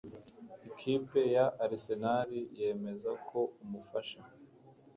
Ikipe ya Arsenal Yemeza ko Umufasha